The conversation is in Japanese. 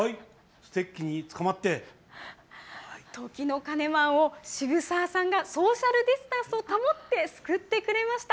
ステッキにつかまって時の鐘マンを渋沢さんがソーシャルディスタンスを保って救ってくれました。